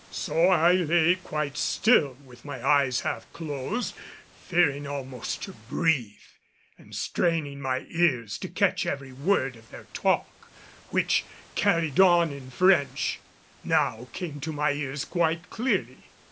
So I lay quite still with my eyes half closed, fearing almost to breathe, and straining my ears to catch every word of their talk, which, carried on in French, now came to my ears quite clearly.